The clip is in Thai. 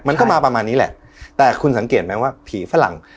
มันก็มาประมาณนี้แหละแต่คุณสังเกตไหมว่าผีฝรั่ง